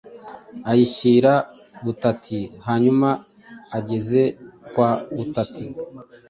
ayishyira butati hanyuma ageze kwa butati,